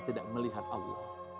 tidak melihat allah